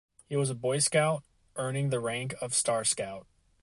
He was a Boy Scout, earning the rank of Star Scout.